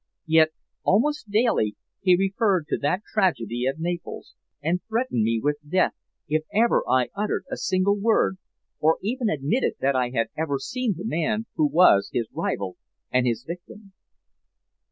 Yet almost daily he referred to that tragedy at Naples, and threatened me with death if ever I uttered a single word, or even admitted that I had ever seen the man who was his rival and his victim."